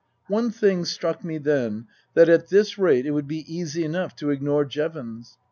One thing struck me then, that at this rate it would be easy enough to ignore Jevons.